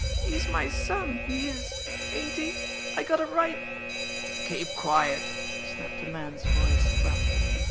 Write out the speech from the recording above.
He's my son, he is ain't he! I gotta right " "Keep quiet!" snapped a man's voice gruffly.